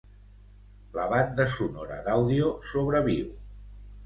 La banda sonora d'àudio sobreviu.